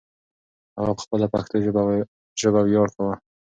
هغه په خپله پښتو ژبه ویاړ کاوه.